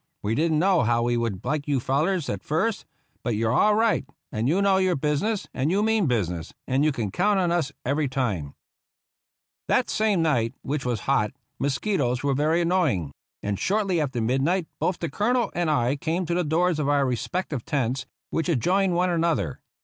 We didn't know how we would like you fellars at first ; but you're all right, and you know your business, and you mean business, and you can count on us every time !" That same night, which was hot, mosquitoes were very annoying; and shortly after midnight both the Colonel and I came to the doors of our respective tents, which adjoined one another.